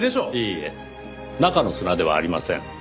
いいえ中の砂ではありません。